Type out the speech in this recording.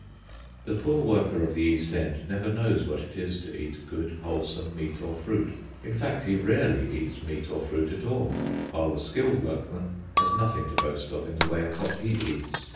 The poor worker of the East End never knows what it is to eat good, wholesome meat or fruit—in fact, he rarely eats meat or fruit at all; while the skilled workman has nothing to boast of in the way of what he eats.